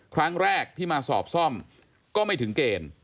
ครั้งแรกที่มาสอบซ่อมก็ไม่ถึงเกณฑ์